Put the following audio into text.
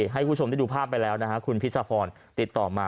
ให้คุณผู้ชมได้ดูภาพไปแล้วนะฮะคุณพิชพรติดต่อมา